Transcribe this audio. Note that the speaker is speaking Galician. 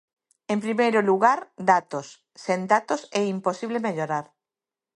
En primeiro lugar, datos; sen datos é imposible mellorar.